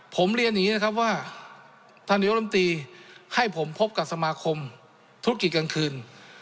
ผมเรียนอย่างนี้นะครับว่าท่านนิยมตีให้ผมพบกับสมาคมธุรกิจกลางคืน